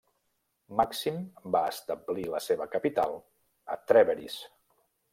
Màxim va establir la seva capital a Trèveris.